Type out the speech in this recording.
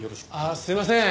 あっすいません。